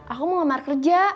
aku mau kamar kerja